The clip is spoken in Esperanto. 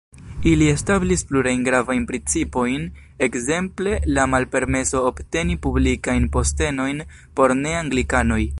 Ili establis plurajn gravajn principojn, ekzemple la malpermeso obteni publikajn postenojn por ne-anglikanoj.